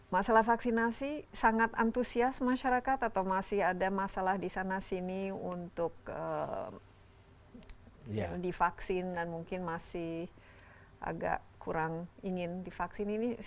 masalah vaksinasi sangat antusias masyarakat atau masih ada masalah di sana sini untuk divaksin dan mungkin masih agak kurang ingin divaksin ini